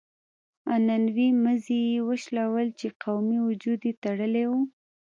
عنعنوي مزي يې وشلول چې قومي وجود يې تړلی و.